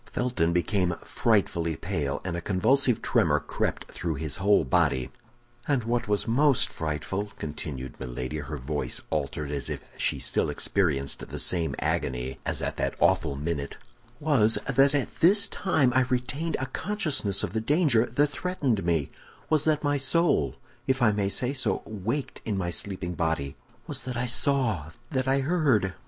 Felton became frightfully pale, and a convulsive tremor crept through his whole body. "And what was most frightful," continued Milady, her voice altered, as if she still experienced the same agony as at that awful minute, "was that at this time I retained a consciousness of the danger that threatened me; was that my soul, if I may say so, waked in my sleeping body; was that I saw, that I heard.